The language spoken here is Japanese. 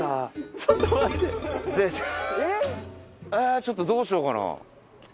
ちょっとどうしようかな。